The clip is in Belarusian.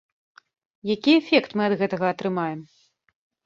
Які эфект мы ад гэтага атрымаем?